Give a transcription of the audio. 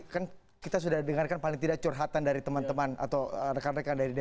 kan kita sudah dengarkan paling tidak curhatan dari teman teman atau rekan rekan dari dpr